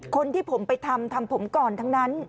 คนที่ผมไปทำทำผมก่อนทั้งนั้น